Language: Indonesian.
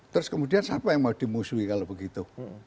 terus kemudian siapa yang mau dimusuhi kalau begitu